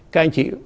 các anh chị